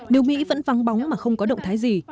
nếu mỹ vẫn vắng bóng mà không có động thái gì